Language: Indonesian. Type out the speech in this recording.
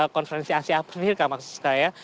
konferensi asia sendiri maksud saya